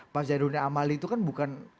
pak zainuddin amali itu kan bukan